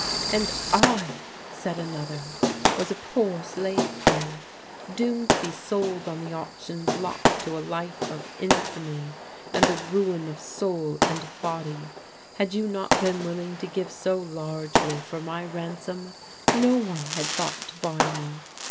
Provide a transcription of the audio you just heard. "And I," said another, "was a poor slave girl doomed to be sold on the auction block to a life of infamy, and the ruin of soul and body. Had you not been willing to give so largely for my ransom, no one had thought to buy me.